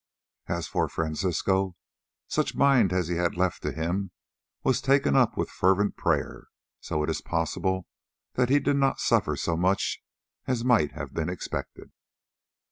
As for Francisco, such mind as he had left to him was taken up with fervent prayer, so it is possible that he did not suffer so much as might have been expected.